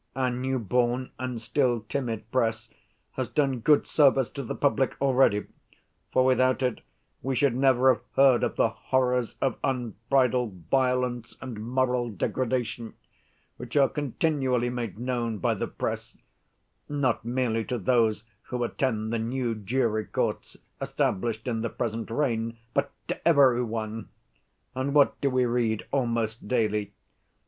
Our newborn and still timid press has done good service to the public already, for without it we should never have heard of the horrors of unbridled violence and moral degradation which are continually made known by the press, not merely to those who attend the new jury courts established in the present reign, but to every one. And what do we read almost daily?